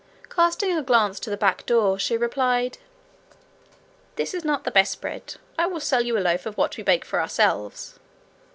Casting a glance to the back door, she replied: 'That is not the best bread. I will sell you a loaf of what we bake for ourselves.'